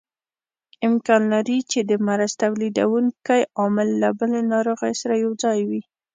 امکان لري چې د مرض تولید کوونکی عامل له بلې ناروغۍ سره یوځای وي.